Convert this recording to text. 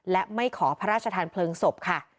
และไม่ขอพระราชทานเพลิงศพค่ะ